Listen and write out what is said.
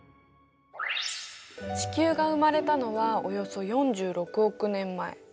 地球が生まれたのはおよそ４６億年前。